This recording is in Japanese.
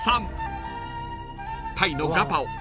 ［タイのガパオ